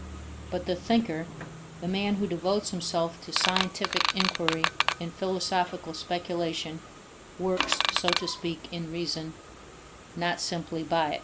But the thinker, the man who devotes himself to scientific inquiry and philosophic speculation, works, so to speak, in reason, not simply by *.